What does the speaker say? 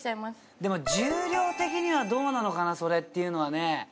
でも重量的にはどうなのかなそれっていうのはね。